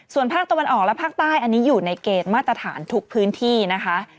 ส่วนภาคตะวันออกและภาคใต้อันนี้อยู่ในเกณฑ์มาตรฐานทุกพื้นที่นะคะ